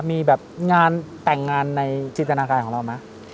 มีแบบงานแต่งงานในจินตนาการของเราไหม